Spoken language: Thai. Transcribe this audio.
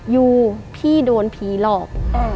ยูพี่โดนผีหลอก